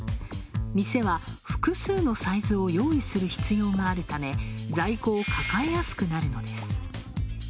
店は複数のサイズを用意する必要があるため、在庫を抱えやすくなるのです。